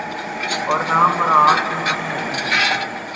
اورنہ مراعات میں کمی آتی ہے۔